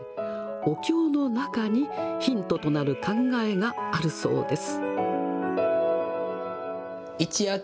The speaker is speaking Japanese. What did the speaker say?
お経の中にヒントとなる考えがあるそうです。